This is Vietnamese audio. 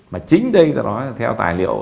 mà chính đây tôi nói theo tài liệu